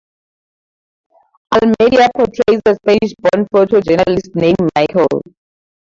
Almeida portrays a Spanish born photo journalist named Michael.